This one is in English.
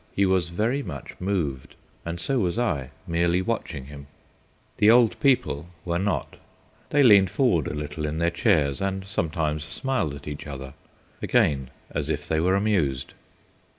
He was very much moved, and so was I, merely watching him. The old people were not; they leaned forward a little in their chairs and sometimes smiled at each other again as if they were amused.